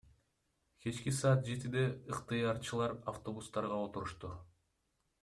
Кечки саат жетиде ыктыярчылар автобустарга отурушту.